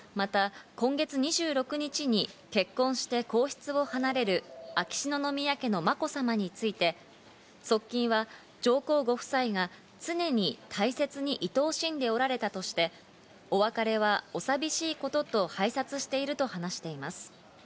また今月２６日に結婚して皇室を離れる秋篠宮家のまこさまについて側近は上皇ご夫妻が常に大切に愛おしんでおられたとして、お別れはお寂しいことと拝察していると話しています。